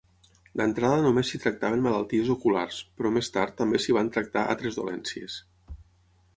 D'entrada, només s'hi tractaven malalties oculars, però més tard, també s'hi van tractar altres dolències.